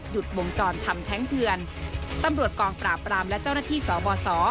วงจรทำแท้งเถือนตำรวจกองปราบรามและเจ้าหน้าที่สบส